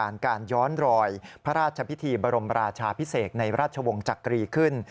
การการย้อนรอยพระราชพิธีบรมราชาพิเศษในราชวงศ์จักรีขึ้น